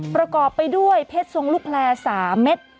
ประกอบไปด้วยเพชรทรงลูกแพลร์๓เม็ด